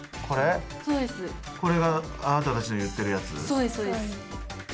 そうですそうです。